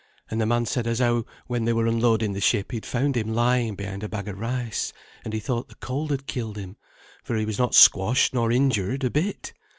And the man said as how when they were unloading the ship he'd found him lying behind a bag of rice, and he thought the cold had killed him, for he was not squashed nor injured a bit.